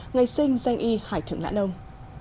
ngày sinh danh y hải thượng lãn ông